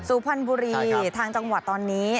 สุพรรณบุรีทางจังหวัดตอนนี้